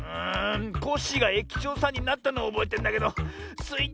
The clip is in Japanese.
コッシーがえきちょうさんになったのはおぼえてんだけどスイ